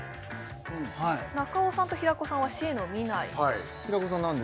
中尾さんと平子さんはＣの見ない平子さん